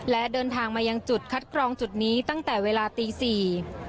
และเดินทางมายังจุดคัดกรองจุดนี้ตั้งแต่เวลาตีสี่